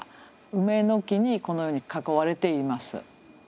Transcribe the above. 梅の木にこのように囲われています。